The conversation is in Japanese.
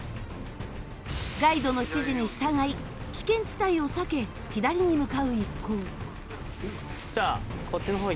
ガイドの指示に従い危険地帯を避け左に向かう一行。